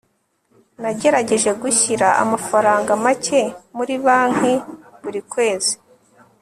nagerageje gushyira amafaranga make muri banki buri kwezi